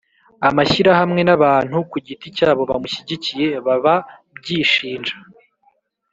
amashyirahamwe n'abantu ku giti cyabo bamushyigikiye baba byishinja